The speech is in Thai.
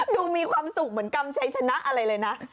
มีความสุขเหมือนกำชัยชนะอะไรเลยนะ